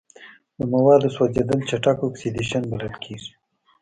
د موادو سوځیدل چټک اکسیدیشن بلل کیږي.